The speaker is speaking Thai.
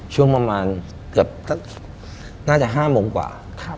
ช่วงประมาณเกือบสักน่าจะ๕โมงกว่า